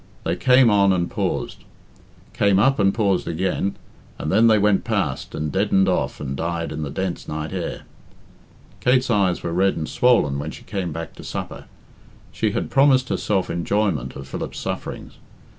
They came on and paused, came up and paused again, and then they went past and deadened off and died in the dense night air. Kate's eyes were red and swollen when she came back to supper. She had promised herself enjoyment of Philip's sufferings.